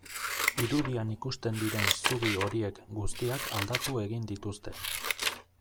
Irudian ikusten diren zubi horiek guztiak aldatu egin dituzte.